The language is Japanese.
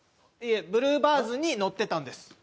・いえブルーバーズにノッてたんです